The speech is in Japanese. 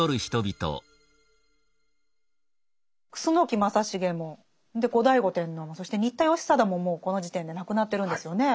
楠木正成も後醍醐天皇もそして新田義貞ももうこの時点で亡くなってるんですよね。